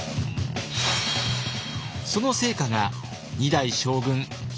その成果が２代将軍秀忠。